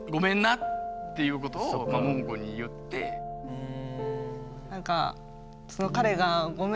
うん。